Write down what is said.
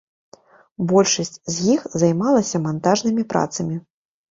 Большасць з іх займалася мантажнымі працамі.